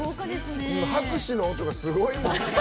拍手の音がすごいもん。